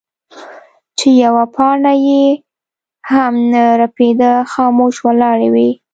چې يوه پاڼه يې هم نۀ رپيده خاموش ولاړې وې ـ